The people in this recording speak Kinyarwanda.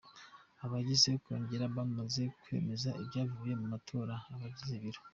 Abagize Kongere bamaze kwemeza ibyavuye mu matora, abagize biro